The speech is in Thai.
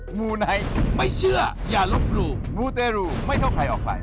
หมูไหนไม่เชื่ออย่าลุกรูหมูเตรูไม่เท่าใครออกไฟ